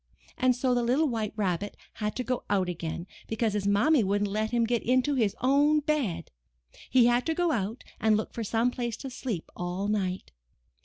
And so the little White Rabbit had to go out again, because his Mammy wouldn't let him get into his own bed. He had to go out and look for some place to sleep all night.